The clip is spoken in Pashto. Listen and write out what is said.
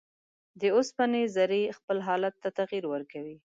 د اوسپنې ذرې خپل حالت ته تغیر ورکوي.